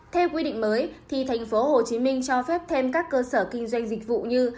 theo quy định mới thì tp hcm cho phép thêm các cơ sở kinh doanh dịch vụ như